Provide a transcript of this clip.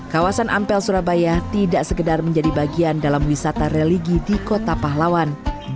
kawasan ampel surabaya tidak sekedar menjadi bagian dalam wisata religi di kota pahlawan